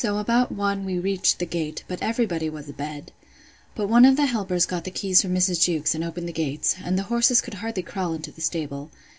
So about one we reached the gate; but every body was a bed. But one of the helpers got the keys from Mrs. Jewkes, and opened the gates; and the horses could hardly crawl into the stable.